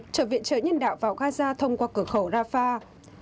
trở viện trợ nhân đạo vào gaza thông qua cửa khẩu rafah